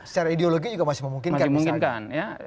secara ideologi juga masih memungkinkan misalkan